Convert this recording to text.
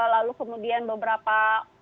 lalu kemudian beberapa